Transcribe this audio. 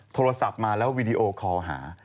โทรศัพท์มาแล้ววีดีโอคอลหา